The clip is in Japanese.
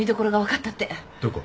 どこ？